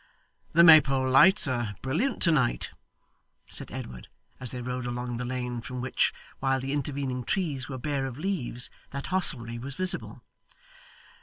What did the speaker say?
'The Maypole lights are brilliant to night,' said Edward, as they rode along the lane from which, while the intervening trees were bare of leaves, that hostelry was visible.